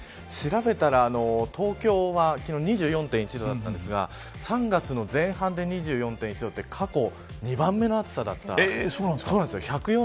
調べたら、東京は昨日２４．１度だったんですが３月の前半で２４．１度で過去２番目の暑さだったんです。